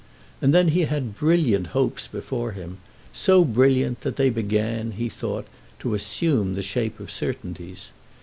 And then he had brilliant hopes before him, so brilliant that they began, he thought, to assume the shape of certainties.